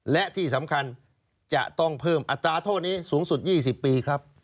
และที่สำคัญจะต้องเพิ่มอัตราโทษนี้สูงสุด๒๐ปีครับ